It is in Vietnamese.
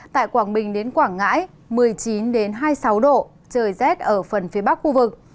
tại quảng bình đến quảng ngãi một mươi chín hai mươi sáu độ trời rét ở phần phía bắc khu vực